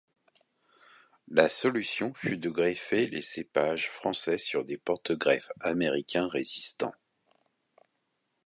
La solution fut de greffer les cépages français sur des porte-greffes américains résistants.